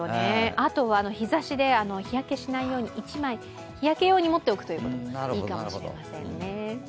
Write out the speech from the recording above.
日ざしで日焼けしないように、１枚日焼け用に持っておくといいかもしれませんね。